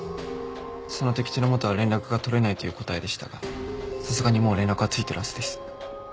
その時寺本は連絡が取れないという答えでしたがさすがにもう連絡はついてるはずです。